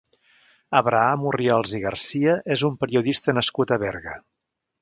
Abraham Orriols i Garcia és un periodista nascut a Berga.